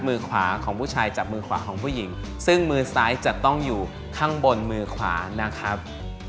มือขวาของผู้ชายจับมือขวาของผู้หญิงซึ่งมือซ้ายจะต้องอยู่ข้างบนมือขวานะครับ